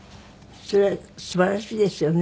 それはすばらしいですよね。